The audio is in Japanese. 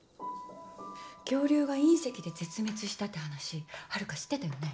恐竜が隕石で絶滅したって話ハルカ知ってたよね？